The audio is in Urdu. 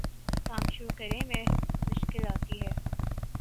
کام شروع کرے میں مشکل آتی ہے